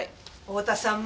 太田さん